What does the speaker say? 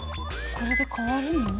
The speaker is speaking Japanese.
これで変わるの？